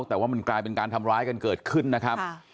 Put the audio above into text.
แต่ว่ามันกลายเป็นการทำร้ายกันเกิดขึ้นนะครับ